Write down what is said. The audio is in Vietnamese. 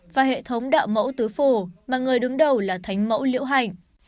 và hệ thống đạo mẫu tứ phủ mà người đứng đầu là thánh mẫu liễu hạnh